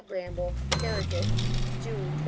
BRAMBLE HARRIGATE, June 26.